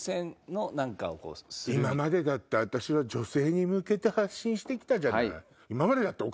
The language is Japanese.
今までだって私は女性に向けて発信してきたじゃない。